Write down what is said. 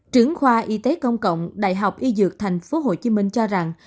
trưởng khoa y tế công cộng đại học y dược thành phố hồ chí minh cho rằng